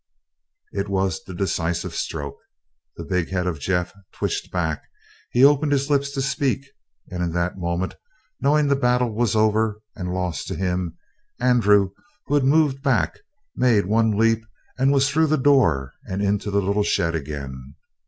It was the decisive stroke. The big head of Jeff twitched back, he opened his lips to speak and in that moment, knowing that the battle was over and lost to him, Andrew, who had moved back, made one leap and was through the door and into the little shed again.